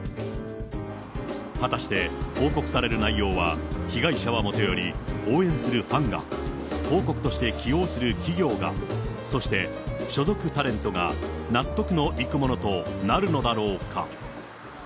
果たして、報告される内容は被害者はもとより、応援するファンが、広告として起用する企業が、そして所属タレントが納得のいくものとなるのだろうか。